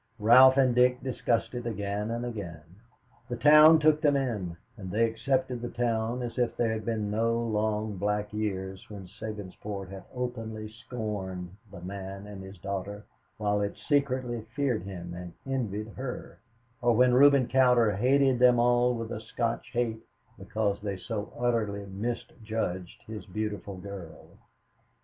Ralph and Dick discussed it again and again. The town took them in, and they accepted the town as if there had been no long black years when Sabinsport had openly scorned the man and his daughter, while it secretly feared him and envied her; or when Reuben Cowder hated them all with a Scotch hate because they so utterly misjudged his beautiful girl.